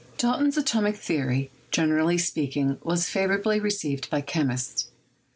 Dalton's atomic theory, generally speaking, was favor ably received by chemists.